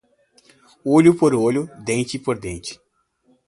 Olho por olho, dente por dente